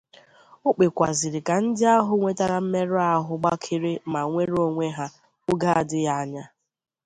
O kpekwazịrị ka ndị ahụ nwetara mmerụahụ gbakere ma nwere onwe ha oge adịghị anya.